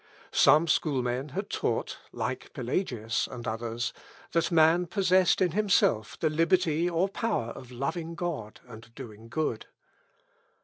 Some schoolmen had taught, like Pelagius and others, that man possessed in himself the liberty or power of loving God and doing good.